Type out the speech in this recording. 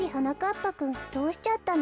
ぱくんどうしちゃったの？